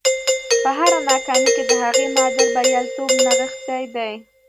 په هره ناکامۍ کې د هغې معادل بریالیتوب نغښتی دی